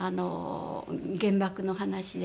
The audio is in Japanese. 原爆の話で。